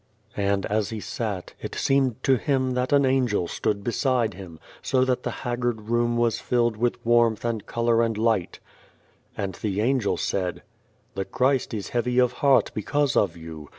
And as he sat it seemed to him that an 70 Beyond the Door Angel stood beside him, so that the haggard room was filled with warmth and colour and light. And the Angel said :" The Christ is heavy of heart because of you.